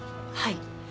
はい。